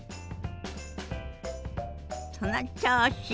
その調子！